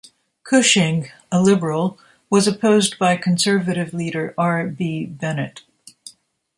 Cushing, a Liberal, was opposed by Conservative leader R. B. Bennett.